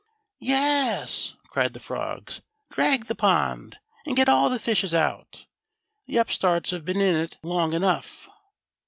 "Yes," cried the frogs; "drag the pond, and get all the fishes out. The upstarts have been in it long enough."